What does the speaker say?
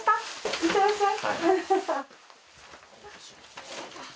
いってらっしゃい。